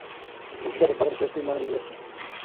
Es hija de padre sueco y madre inglesa.